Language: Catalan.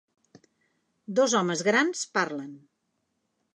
Dos homes grans parlen.